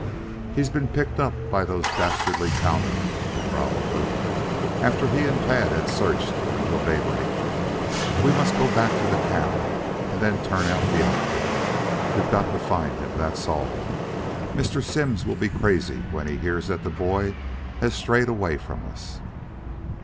He's been picked up by those dastardly cowmen," growled Luke after he and Tad had searched until daybreak. "We must go back to the camp and then turn out the outfit. We've got to find him, that's all. Mr. Simms will be crazy when he hears that the boy has strayed away from us."